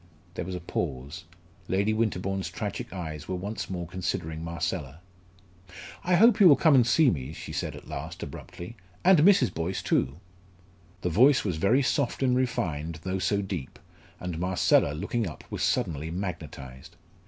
There was a pause. Lady Winterbourne's tragic eyes were once more considering Marcella. "I hope you will come and see me," she said at last abruptly "and Mrs. Boyce too." The voice was very soft and refined though so deep, and Marcella looking up was suddenly magnetised.